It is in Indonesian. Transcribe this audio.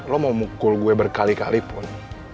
lu mau mukul gue berkali kali pun